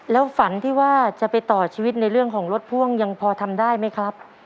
แล้วฝันที่ว่าจะไปต่อชีวิตในเรื่องของรถพ่วงยังพอทำได้ไหมครับ